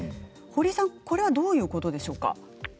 堀さん、これはどういうことでしょうか？